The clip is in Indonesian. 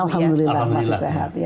alhamdulillah masih sehat